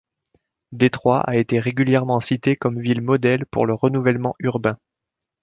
Détroit a été régulièrement citée comme ville modèle pour le renouvellement urbain.